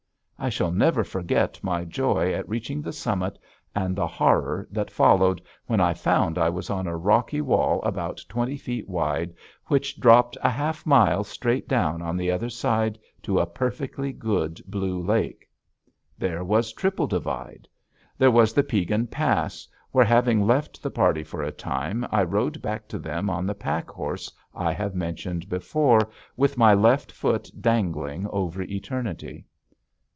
I shall never forget my joy at reaching the summit and the horror that followed when I found I was on a rocky wall about twenty feet wide which dropped a half mile straight down on the other side to a perfectly good blue lake. There was Triple Divide. There was the Piegan Pass, where, having left the party for a time, I rode back to them on the pack horse I have mentioned before, with my left foot dangling over eternity.